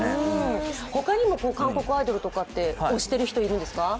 他にも韓国アイドルって推している人はいるんですか？